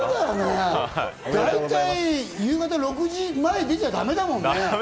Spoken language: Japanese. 大体、夕方６時前は出ちゃだめだもんね。